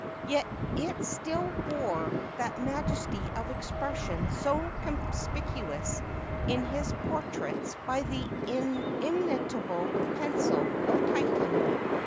Yet it still wore that majesty of expression so conspicu ous in his portraits by the inimitable pencil of Titian.